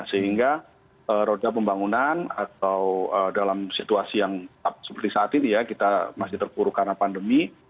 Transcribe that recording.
sehingga roda pembangunan atau dalam situasi yang seperti saat ini ya kita masih terpuruk karena pandemi